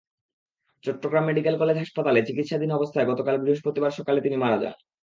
Chittagong medical college হাসপাতালে চিকিৎসাধীন অবস্থায় গতকাল বৃহস্পতিবার সকালে তিনি মারা যান।